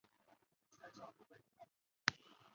他出生在德国。